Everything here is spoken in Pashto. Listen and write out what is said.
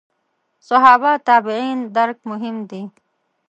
صحابه تابعین درک مهم دي.